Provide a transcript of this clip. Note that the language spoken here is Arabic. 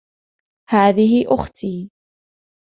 هذه أختي.